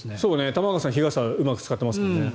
玉川さんは日傘をうまく使ってますもんね。